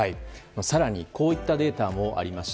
更に、こういったデータもあります。